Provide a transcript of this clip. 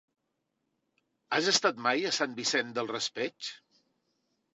Has estat mai a Sant Vicent del Raspeig?